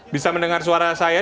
bisa mendengar suara saya